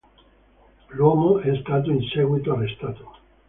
L'uomo è stato in seguito arrestato.